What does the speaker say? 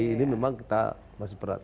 ini memang kita masih perhati